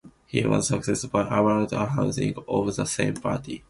He was succeeded by Arild Hausberg of the same party.